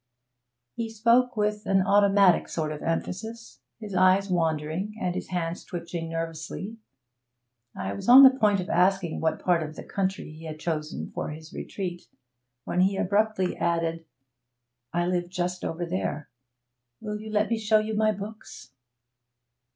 He spoke with an automatic sort of emphasis, his eyes wandering, and his hands twitching nervously. I was on the point of asking what part of the country he had chosen for his retreat, when he abruptly added: 'I live just over there. Will you let me show you my books?'